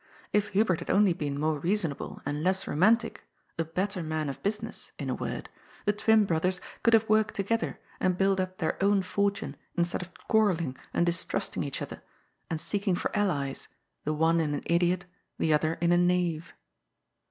If Hubert had only been more reasonable and less romantic, a better man of business, in a word, the twin brothers could have worked together and built up their own fortune instead of quarrelling and distrusting each other and seeking for allies, the one in an idiot, the other in a knave.